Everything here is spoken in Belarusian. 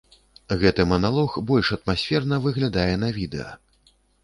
Гэты маналог больш атмасферна выглядае на відэа.